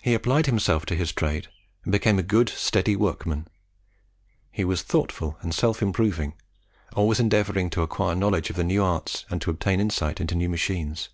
He applied himself to his trade, and became a good, steady workman. He was thoughtful and self improving, always endeavouring to acquire knowledge of new arts and to obtain insight into new machines.